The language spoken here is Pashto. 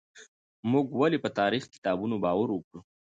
موږ ولې په تاريخي کتابونو باور وکړو؟